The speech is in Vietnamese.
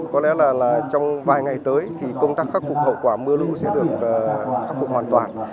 có lẽ là trong vài ngày tới thì công tác khắc phục hậu quả mưa lũ sẽ được khắc phục hoàn toàn